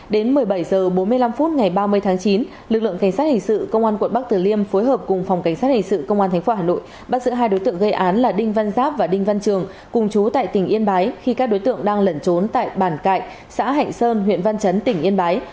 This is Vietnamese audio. đến một mươi bảy h bốn mươi năm phút ngày ba mươi tháng chín lực lượng cảnh sát hình sự công an quận bắc tử liêm phối hợp cùng phòng cảnh sát hình sự công an tp hà nội bắt giữ hai đối tượng gây án là đinh văn giáp và đinh văn trường cùng chú tại tỉnh yên bái khi các đối tượng đang lẩn trốn tại bản cạnh xã hạnh sơn huyện văn chấn tỉnh yên bái